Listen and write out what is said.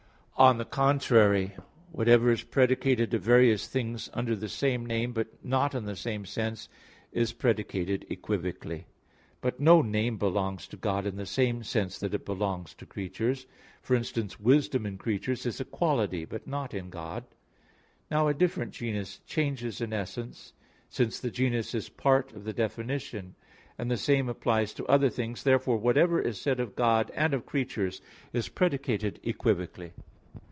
On the contrary, whatever is predicated of various things under the same name but not in the same sense, is predicated equivocally. But no name belongs to God in the same sense that it belongs to creatures; for instance, wisdom in creatures is a quality, but not in God. Now a different genus changes an essence, since the genus is part of the definition; and the same applies to other things. Therefore whatever is said of God and of creatures is predicated equivocally.